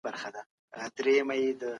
که لامبو نه ورځي اوبو ته مه ننوځئ.